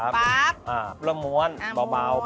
บ่ระพาร๑ใบปลาบ